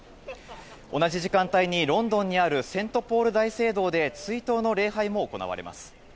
同じ時間帯にロンドンにあるセントポール大聖堂で追悼の礼拝も行われます。